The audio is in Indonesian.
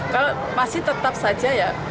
kalau masih tetap saja ya